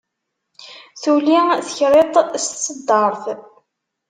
Tuli tekriṭ s tseddart.